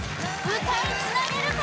歌いつなげるか？